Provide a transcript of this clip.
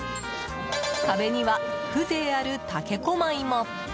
壁には風情ある竹小舞も。